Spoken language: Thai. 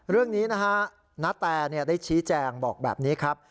เรื่องนี้นะฮะณแตได้ชี้แจงบอกแบบนี้ครับ